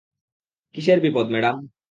কীসের বিপদ, ম্যাডাম?